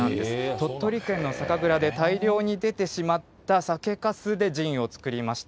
鳥取県の酒蔵で大量に出てしまった酒かすでジンを造りました。